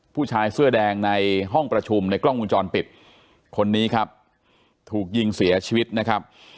ผู้ชายเสื้อแดงในห้องประชุมในกล้องวงจรปิดคนนี้ครับถูกยิงเสียชีวิตนะครับ